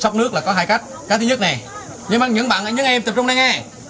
sốc nước là có hai cách cái thứ nhất nè nhớ bằng những bạn những em tập trung đây nghe